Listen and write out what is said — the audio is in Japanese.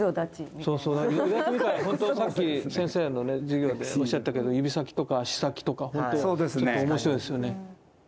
さっき先生の授業でおっしゃってたけど指先とか足先とかほんと面白いですよね。